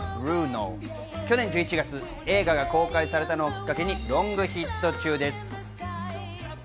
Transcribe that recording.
去年１１月、映画が公開されたのきっかけにロングヒット中です。